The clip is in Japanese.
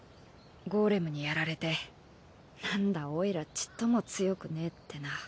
ゴーレムにやられてなんだオイラちっとも強くねえってな。